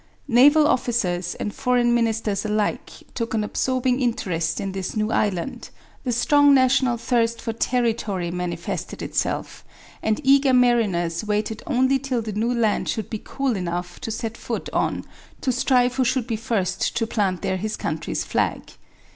Naval officers and foreign ministers alike took an absorbing interest in this new island. The strong national thirst for territory manifested itself and eager mariners waited only till the new land should be cool enough to set foot on to strive who should be first to plant there his country's flag.